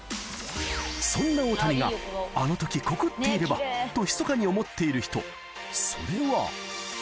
そんな大谷があのとき告っていればとひそかに思っている人、それは。